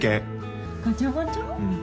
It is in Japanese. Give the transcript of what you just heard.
うん。